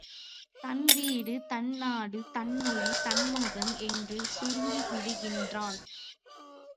தன் வீடு, தன் நாடு, தன் மொழி, தன் மதம் என்று சுருங்கி விடுகின்றான்.